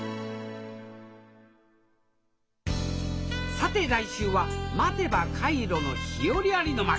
さて来週は「待てば海路の日和あり？」の巻。